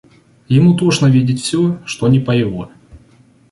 Ему тошно видеть всё, что не по его.